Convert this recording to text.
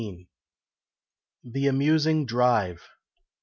THE AMUSING DRIVE.